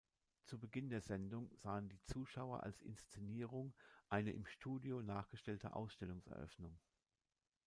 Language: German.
Zu Beginn der Sendung sahen die Zuschauer als Inszenierung eine im Studio nachgestellte Ausstellungseröffnung.